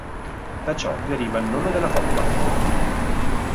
Da ciò deriva il nome della coppa.